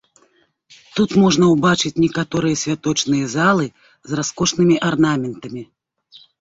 Тут можна ўбачыць некаторыя святочныя залы з раскошнымі арнаментамі.